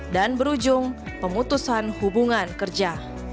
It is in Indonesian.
dan berujung pemutusan hubungan kerja